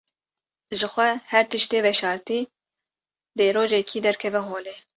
Jixwe her tiştê veşartî dê rojekê derkeve holê.